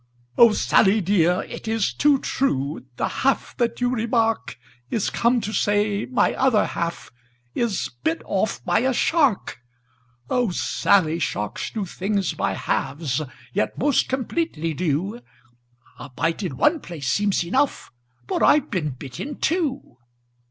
"O SaDy, dear, it is too true, â The half that you remark Is come to say my other half Is bit off by a shark! '^O Sally, sharks do things by halves. Yet most completely do! A bite in one place seems enough. But I've been bit in two.